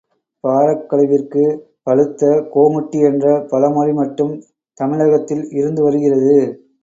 Barack கழுவிற்கு பழுத்த கோமுட்டி என்ற பழமொழி மட்டும் தமிழகத்தில் இருந்து வருகிறது.